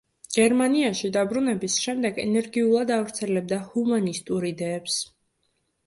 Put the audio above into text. გერმანიაში დაბრუნების შემდეგ ენერგიულად ავრცელებდა ჰუმანისტურ იდეებს.